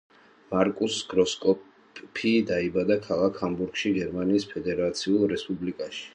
მარკუს გროსკოპფი დაიბადა ქალაქ ჰამბურგში, გერმანიის ფედერაციულ რესპუბლიკაში.